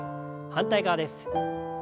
反対側です。